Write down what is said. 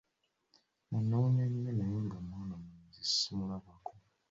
Nanoonya nyo naye nga mwana mulenzi simulabako.